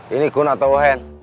ini kun atau uhen